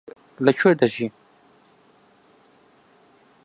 لەکوێ دەژیم؟